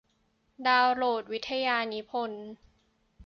ดาวน์โหลดวิทยานิพนธ์